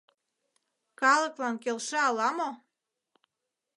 Калыклан келша ала-мо?